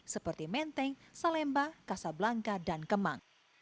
seperti menteng salemba kasablangka dan kemang